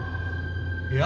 いや。